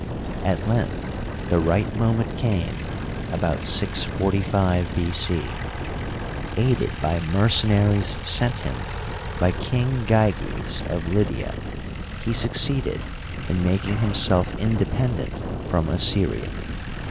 At length the right moment came, about 645 B. c. Aided by mercenaries sent him by King Gyges, of Lydia, he suc ceeded in making himself independent from Assyria.